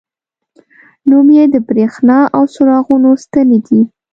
نوم یې د بریښنا او څراغونو ستنې دي.